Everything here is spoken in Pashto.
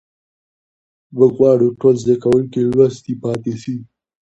موږ غواړو ټول زده کوونکي لوستي پاتې سي.